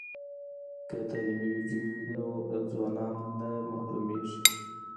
که تعلیمي ویډیو وي نو ځوانان نه محرومیږي.